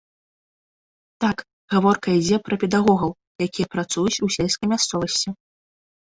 Так, гаворка ідзе пра педагогаў, якія працуюць у сельскай мясцовасці.